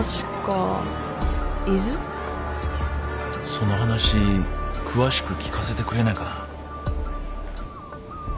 その話詳しく聞かせてくれないかな。